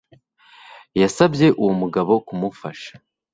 Yasabye uwo mugabo kumufasha